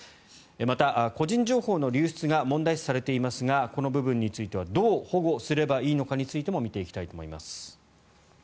また、個人情報の流出が問題視されていますがこの部分についてはどう保護すればいいのかについても見ていきたいと思います。